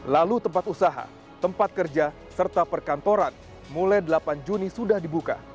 lalu tempat usaha tempat kerja serta perkantoran mulai delapan juni sudah dibuka